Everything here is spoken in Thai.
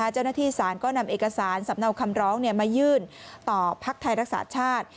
เจ้าหน้าที่ศาลก็นำเอกสารสำเนาคำร้องมายื่นต่อภักดิ์ไทยรักษาชาติ